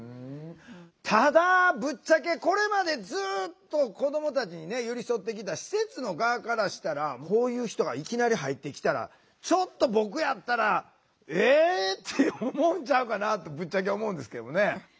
ただぶっちゃけこれまでずっと子どもたちに寄り添ってきた施設の側からしたらこういう人がいきなり入ってきたらちょっと僕やったら「えっ？」って思うんちゃうかなってぶっちゃけ思うんですけどね。